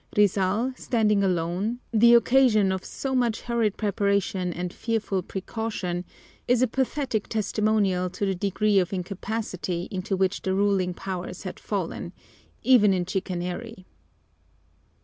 Rizal standing alone, the occasion of so much hurried preparation and fearful precaution, is a pathetic testimonial to the degree of incapacity into which the ruling powers had fallen, even in chicanery.